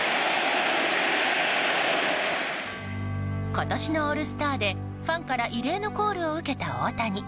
今年のオールスターでファンから異例のコールを受けた大谷。